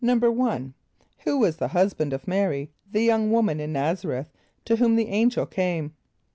= Who was the husband of M[=a]´r[)y], the young woman in N[)a]z´a r[)e]th to whom the angel came?